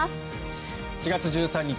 ４月１３日